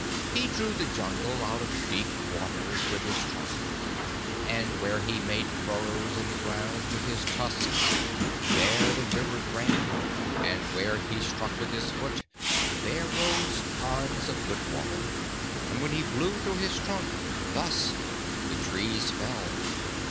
He drew the Jungle out of deep waters with his trunk; and where he made furrows in the ground with his tusks, there the rivers ran; and where he struck with his foot, there rose ponds of good water; and when he blew through his trunk, thus, the trees fell.